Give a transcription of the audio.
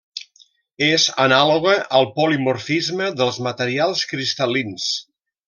És anàloga al polimorfisme dels materials cristal·lins.